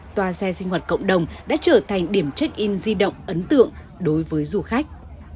tòa xe sinh hoạt cộng đồng đã trở thành điểm check in di động ấn tượng đối với du khách